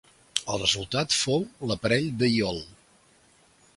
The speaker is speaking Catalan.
El resultat fou l'aparell de iol.